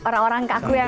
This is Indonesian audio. orang orang kaku ya